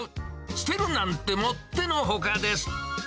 捨てるなんてもってのほかです。